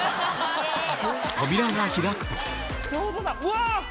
扉が開くとうわ！